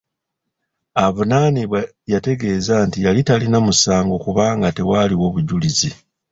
Avunaanibwa yategeeza nti yali talina musango kubanga tewaaliwo bujulizi.